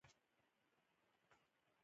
ډېره ښه خطاطي یې کوله.